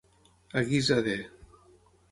A guisa de.